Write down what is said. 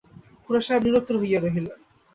খুড়াসাহেব নিরুত্তর হইয়া রহিলেন।